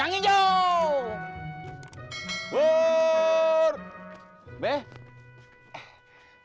orang pijam tanpa kesubsidan